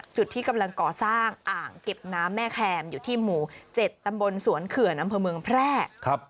ที่กำลังก่อสร้างอ่างเก็บน้ำแม่แคมอยู่ที่หมู่๗ตำบลสวนเขื่อนอำเภอเมืองแพร่